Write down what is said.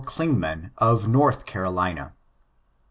Clingman^ of North Carolina.